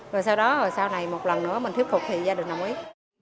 rồi sau đó sau này một lần nữa mình thuyết phục thì gia đình nào cũng biết